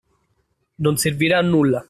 Non servirà a nulla;